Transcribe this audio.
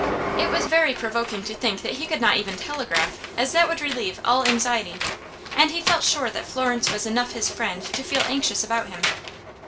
It was very provoking to think that he could not even telegraph, as that would relieve all anxiety, and he felt sure that Florence was enough his friend to feel anxious about him.